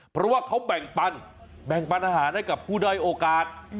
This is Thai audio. เพราะว่าเขาแบ่งปันแบ่งปันอาหารให้กับผู้ด้อยโอกาส